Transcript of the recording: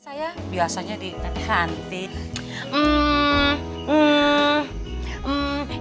saya biasanya dihantin